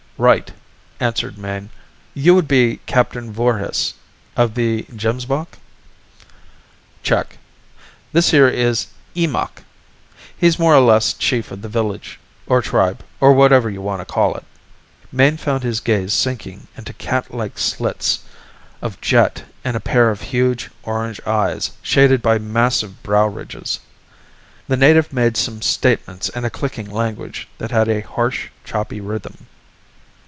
"Right," answered Mayne. "You would be Captain Voorhis, of the Gemsbok?" "Check. This here is Eemakh. He's more or less chief of the village, or tribe, or whatever you wanna call it." Mayne found his gaze sinking into catlike slits of jet in a pair of huge orange eyes shaded by massive brow ridges. The native made some statement in a clicking language that had a harsh, choppy rhythm.